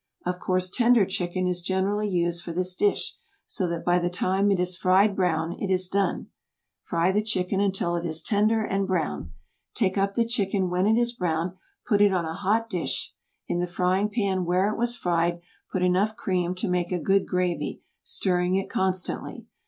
Of course tender chicken is generally used for this dish so that by the time it is fried brown it is done. Fry the chicken until it is tender and brown. Take up the chicken when it is brown, put it on a hot dish; in the frying pan where it was fried, put enough cream to make a good gravy, stirring it constantly.